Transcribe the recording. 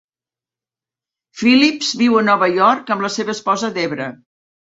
Phillips viu a NOva York amb la seva esposa Debra.